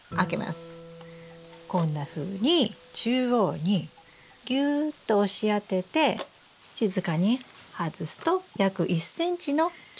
こんなふうに中央にギューッと押し当てて静かに外すと約１ｃｍの小さなまき穴が出来ます。